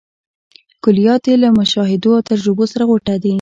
کلیات یې له مشاهدو او تجربو سره غوټه دي.